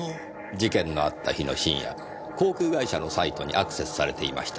事件のあった日の深夜航空会社のサイトにアクセスされていました。